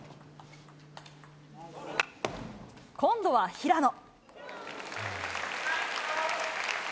今度は平野。